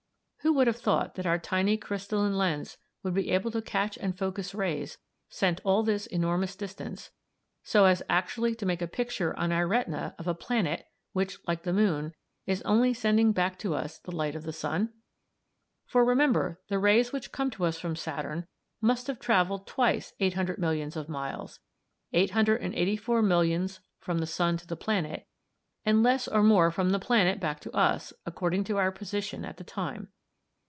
Who would have thought that our tiny crystalline lens would be able to catch and focus rays, sent all this enormous distance, so as actually to make a picture on our retina of a planet, which, like the moon, is only sending back to us the light of the sun? For, remember, the rays which come to us from Saturn must have travelled twice 800 millions of miles 884 millions from the sun to the planet, and less or more from the planet back to us, according to our position at the time.